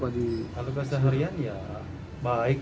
kalau keseharian ya baik